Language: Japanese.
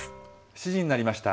７時になりました。